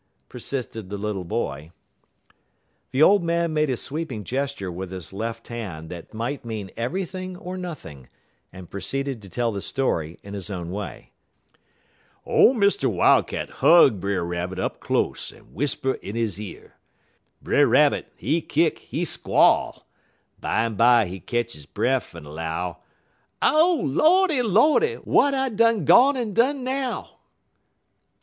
persisted the little boy. The old man made a sweeping gesture with his left hand that might mean everything or nothing, and proceeded to tell the story in his own way. "Ole Mr. Wildcat hug Brer Rabbit up close en w'isper in he year. Brer Rabbit, he kick, he squall. Bimeby he ketch he breff en 'low: "'Ow! O Lordy lordy! W'at I done gone en done now?'